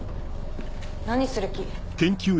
何する気？